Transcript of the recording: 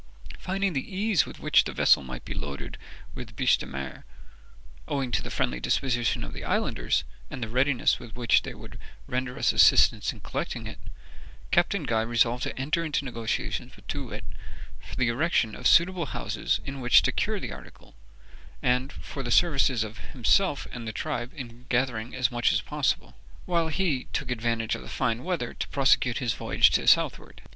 Finding the ease with which the vessel might be loaded with biche de mer, owing to the friendly disposition of the islanders, and the readiness with which they would render us assistance in collecting it, Captain Guy resolved to enter into negotiations with Too wit for the erection of suitable houses in which to cure the article, and for the services of himself and tribe in gathering as much as possible, while he himself took advantage of the fine weather to prosecute his voyage to the southward.